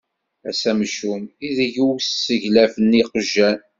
Ass amcum, ideg ur sseglafen iqjan.